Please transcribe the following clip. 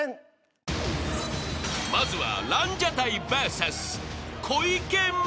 ［まずは］